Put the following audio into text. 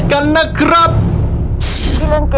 หัวหนึ่งหัวหนึ่ง